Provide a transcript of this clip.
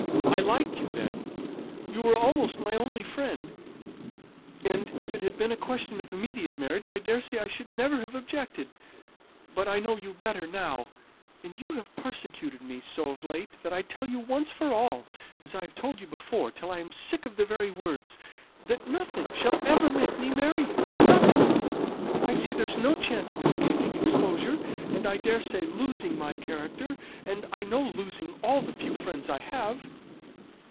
I liked you then you were almost my only friend and, if it had been a question of immediate marriage, I daresay I should never have objected. But I know you better now; and you have persecuted me so of late, that I tell you once for all (as I have told you before, till I am sick of the very words), that nothing shall ever make me marry you. Nothing! I see there's no chance of escaping exposure and, I daresay, losing my character, and I know losing all the few friends I have."